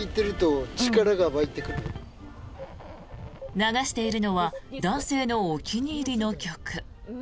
流しているのは男性のお気に入りの曲。